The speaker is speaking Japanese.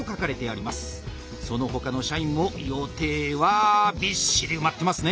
そのほかの社員も予定はびっしり埋まってますね。